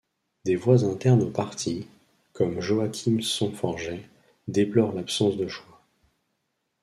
Des voix internes au parti, comme Joachim Son-Forget, déplorent l'absence de choix.